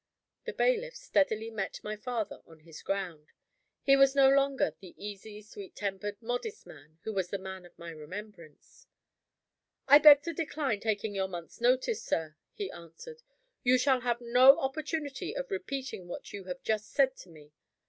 The bailiff steadily met my father on his ground. He was no longer the easy, sweet tempered, modest man who was the man of my remembrance. "I beg to decline taking your month's notice, sir," he answered. "You shall have no opportunity of repeating what you have just said to me.